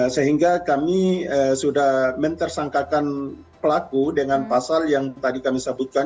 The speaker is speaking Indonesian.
sehingga kami sudah mentersangkakan pelaku dengan pasal yang tadi kami sebutkan